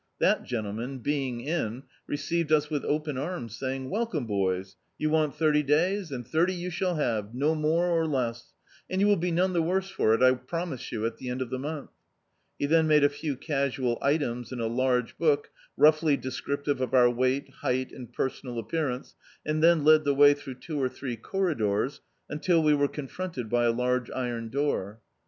That gentleman, being in, received us with open arms saying — "Welcome, boys, you want thirty days, and thirty you shall luve, no more or less; and you will be none the worse for it, I promise you, at the end of the month." He then made a few casual items In a large book, roughly descriptive of our weight, hei^t, and personal appearance, and then led the way through two or three corridors, imtil we were confronted by a large Iron door.